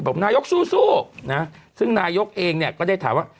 บอกนายกสู้นะซึ่งนายกเองเนี่ยก็ได้ถามว่า